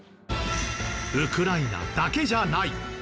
ウクライナだけじゃない。